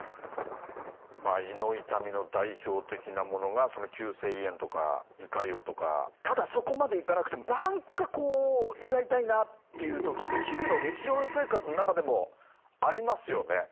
まあ胃の痛みの代表的なものがその急性胃炎とか胃潰瘍とかただそこまでいかなくても何かこう胃が痛いなっていう時って日々の日常生活の中でもありますよね？